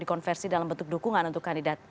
dikonversi dalam bentuk dukungan untuk kandidat